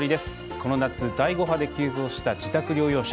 この夏、第５波で急増した自宅療養者。